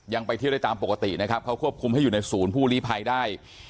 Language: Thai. ไปเที่ยวได้ตามปกตินะครับเขาควบคุมให้อยู่ในศูนย์ผู้ลีภัยได้